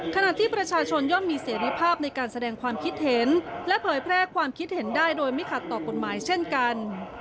ขณะที่ประชาชนย่อมมีเสรีภาพในการแสดงความคิดเห็นและเผยแพร่ความคิดเห็นได้โดยไม่ขัดต่อกฎหมายเช่นกัน